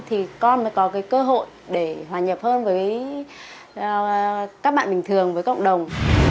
thì con mới có cái cơ hội để hòa nhập hơn với các bạn bình thường với cộng đồng